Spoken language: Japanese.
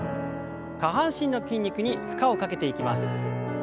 下半身の筋肉に負荷をかけていきます。